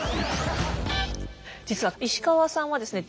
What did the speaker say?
実は石河さんはですね